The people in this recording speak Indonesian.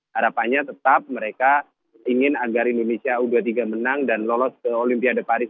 harapannya tetap mereka ingin agar indonesia u dua puluh tiga menang dan lolos ke olimpiade paris